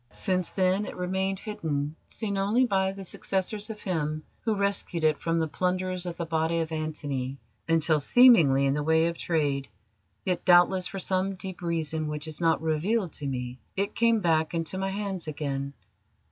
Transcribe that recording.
"Since then it remained hidden, seen only by the successors of him who rescued it from the plunderers of the body of Antony, until, seemingly in the way of trade, yet doubtless for some deep reason which is not revealed to me, it came back into my hands again.